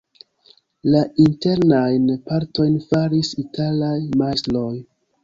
La internajn partojn faris italaj majstroj.